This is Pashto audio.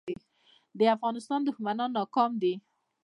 د افغانستان دښمنان ناکام دي